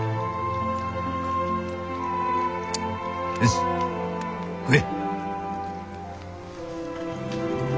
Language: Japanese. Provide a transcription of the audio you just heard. よし食え。